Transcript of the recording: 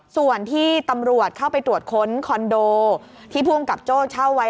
ส่วนที่ตำรวจเข้าไปตรวจค้นคอนโดที่ภูมิกับโจ้เช่าไว้